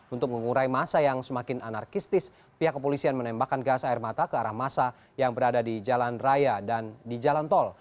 untuk mengurai masa yang semakin anarkistis pihak kepolisian menembakkan gas air mata ke arah masa yang berada di jalan raya dan di jalan tol